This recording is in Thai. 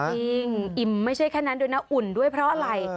อิงอิ่มไม่ใช่แค่นั้นด้วยนะอุ่นด้วยเพราะอะไร